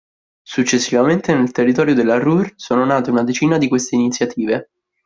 Successivamente nel territorio della Ruhr sono nate una decina di queste iniziative.